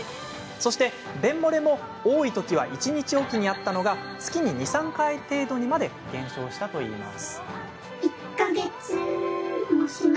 そして、便もれも多いときは一日置きにあったのが月に２、３回程度にまで減少したといいます。